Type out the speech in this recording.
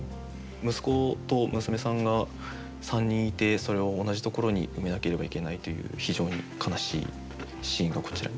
息子と娘さんが３人いてそれを同じところに埋めなければいけないという非常に悲しいシーンがこちら。